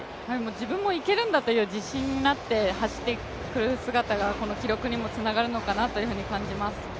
自分もいけるんだという自信につながって走ってくることが記録にもつながるのかなと感じます。